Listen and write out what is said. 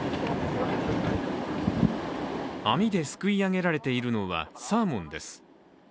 網ですくい上げられているのはサーモンです。